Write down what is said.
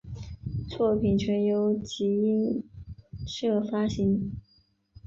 作品全由集英社发行。